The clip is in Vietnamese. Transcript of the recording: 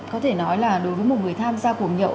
có thể nói là đối với một người tham gia cuộc nhậu